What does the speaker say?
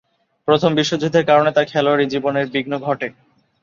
প্রথম বিশ্বযুদ্ধের কারণে তার খেলোয়াড়ী জীবনের বিঘ্ন ঘটে।